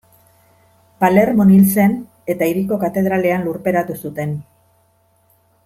Palermon hil zen, eta hiriko katedralean lurperatu zuten.